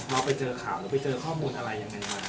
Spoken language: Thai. เราไปเจอข่าวหรือไปเจอข้อมูลอะไรยังไงมา